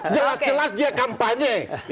jelas jelas dia kampanye